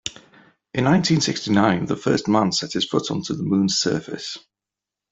In nineteen-sixty-nine the first man set his foot onto the moon's surface.